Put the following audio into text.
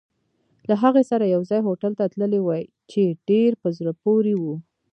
له هغې سره یوځای هوټل ته تللی وای، چې ډېر په زړه پورې وو.